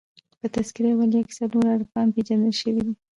په "تذکرةالاولیاء" څلور عارفانو پېژندل سوي دي.